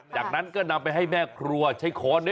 จากนั้นก็นำไปให้แม่ครัวใช้ค้อน